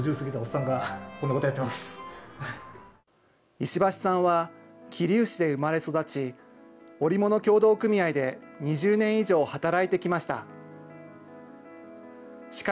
石橋さんは、桐生市で生まれ育ち、織物協同組合で２０年以上働いてきました。